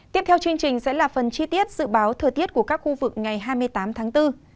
tiếp theo chương trình sẽ là phần chi tiết dự báo thời tiết của các khu vực ngày hai mươi tám tháng bốn